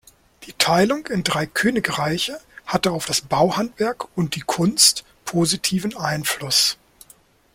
Die Teilung in drei Königreiche hatte auf das Bauhandwerk und die Kunst positiven Einfluss.